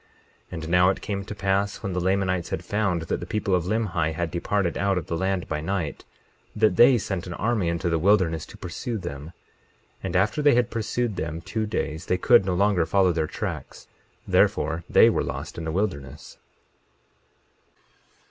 22:15 And now it came to pass when the Lamanites had found that the people of Limhi had departed out of the land by night, that they sent an army into the wilderness to pursue them; 22:16 And after they had pursued them two days, they could no longer follow their tracks; therefore they were lost in the wilderness.